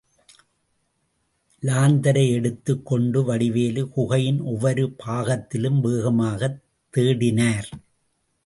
லாந்தரை எடுத்துக் கொண்டு வடிவேலு, குகையின் ஒவ்வொரு பாகத்திலும் வேகமாகத் தேடினார்.